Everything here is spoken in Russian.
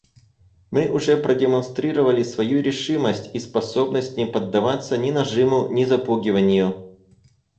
Мы уже продемонстрировали свою решимость и способность не поддаваться ни нажиму, ни запугиванию.